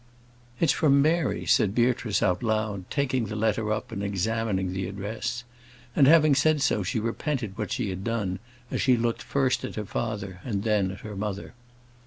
"It's from Mary," said Beatrice, out loud, taking the letter up and examining the address. And having said so, she repented what she had done, as she looked first at her father and then at her mother.